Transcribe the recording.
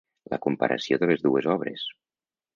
La comparació de les dues obres.